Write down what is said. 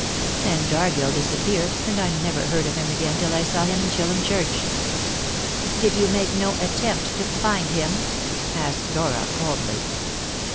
Then Dargill disappeared, and I never heard of him again till I saw him in Chillum Church." "Did you make no attempt to find him?" asked Dora coldly.